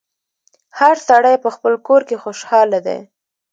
هر سړی په خپل کور کي خوشحاله دی